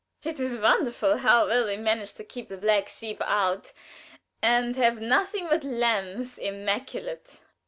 It is wonderful how well we manage to keep the black sheep out, and have nothing but lambs immaculate."